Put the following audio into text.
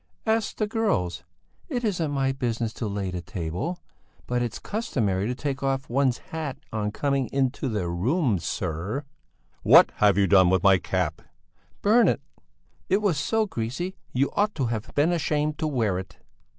"Ask the girls; it isn't my business to lay the table! But it's customary to take off one's hat on coming into a room, sir!" "What have you done with my cap?" "Burnt it! It was so greasy, you ought to have been ashamed to wear it."